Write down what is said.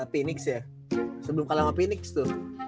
phoenix ya sebelum kalah sama phoenix tuh